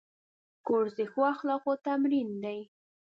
کورس د ښو اخلاقو تمرین دی.